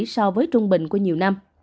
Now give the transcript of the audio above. so với trung bình của nhiều năm